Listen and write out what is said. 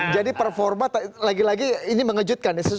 jadi performa lagi lagi ini mengejutkan